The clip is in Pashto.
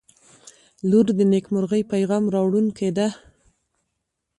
• لور د نیکمرغۍ پیغام راوړونکې ده.